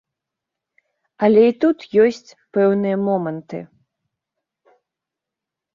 Але і тут ёсць пэўныя моманты.